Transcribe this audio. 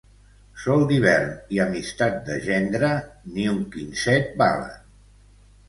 Sol d'hivern i amistat de gendre, ni un quinzet valen.